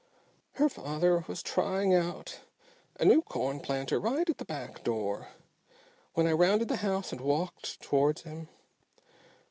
"Her father was trying out a new corn planter right at the back door when I rounded the house and walked towards him.